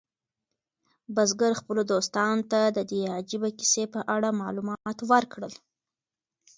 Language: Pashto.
بزګر خپلو دوستانو ته د دې عجیبه کیسې په اړه معلومات ورکړل.